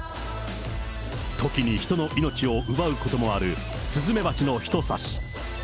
時に人の命を奪うこともあるスズメバチの一刺し。